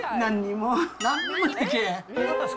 なんにもできへん。